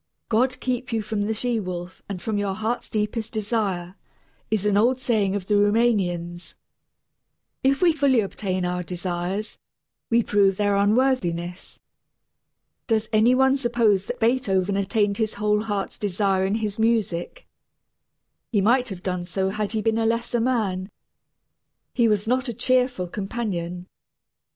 "God keep you from the she wolf and from your heart's deepest desire," is an old saying of the Rumanians. If we fully obtain our desires, we prove their unworthiness. Does any one suppose that Beethoven attained his whole heart's desire in his music? He might have done so had he been a lesser man. He was not a cheerful companion.